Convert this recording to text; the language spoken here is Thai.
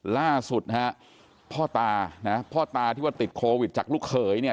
ล่าสุดนะฮะพ่อตานะพ่อตาที่ว่าติดโควิดจากลูกเขยเนี่ย